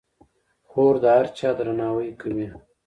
خور د هر چا درناوی کوي.